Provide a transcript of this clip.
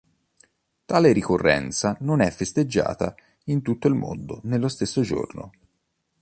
Tale ricorrenza non è festeggiata in tutto il mondo nello stesso giorno.